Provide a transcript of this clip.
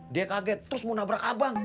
dia kaget terus mau nabrak abang